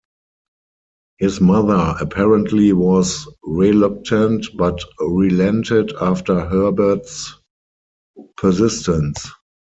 His mother apparently was reluctant but relented after Hebert's persistence.